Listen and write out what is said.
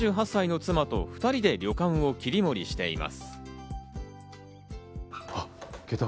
７８歳の妻と２人で旅館を切り盛りしています。